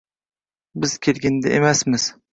Biz kelgindi emasmiz